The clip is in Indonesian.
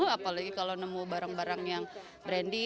apalagi kalau nemu barang barang yang brandy